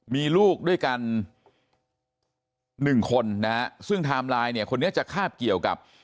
มีลูกด้วยกันหนึ่งคนนะฮะซึ่งไทม์ไลน์เนี่ยคนนี้จะคาบเกี่ยวกับ